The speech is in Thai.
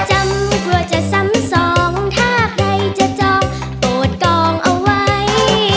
กลัวจะซ้ำสองถ้าใครจะจองโปรดกองเอาไว้